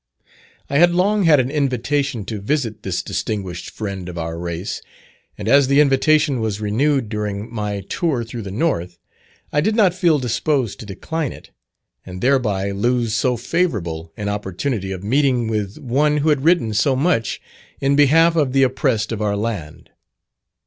I had long had an invitation to visit this distinguished friend of our race, and as the invitation was renewed during my tour through the North, I did not feel disposed to decline it, and thereby lose so favourable an opportunity of meeting with one who had written so much in behalf of the oppressed of our land.